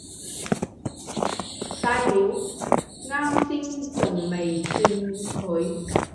曬料，岩先仲未串佢